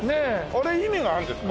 あれ意味があるんですか？